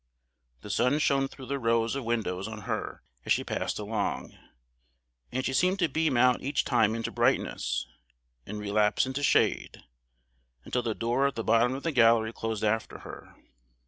The sun shone through the row of windows on her as she passed along, and she seemed to beam out each time into brightness, and relapse into shade, until the door at the bottom of the gallery closed after her.